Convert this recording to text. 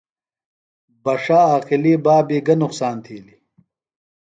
بݜہ عاقلی بابی گہ نقصان تِھیلیۡ؟